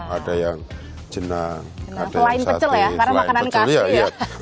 ada yang jenang ada yang sati selain pecel ya karena makanan kasih ya